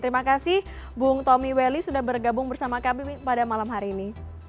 terima kasih bung tommy welly sudah bergabung bersama kami pada malam hari ini